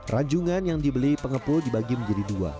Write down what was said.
ranjungan yang dibeli pengepul dibagi menjadi dua